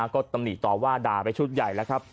ก็ตำหนิต่อว่าด่าไปชุดใหญ่แล้วครับ